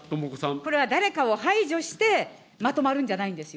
これは誰かを排除して、まとまるんじゃないんですよ。